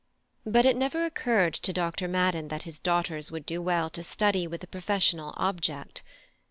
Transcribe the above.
But it never occurred to Dr. Madden that his daughters would do well to study with a professional object.